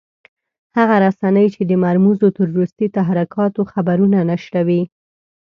هغه رسنۍ چې د مرموزو تروريستي تحرکاتو خبرونه نشروي.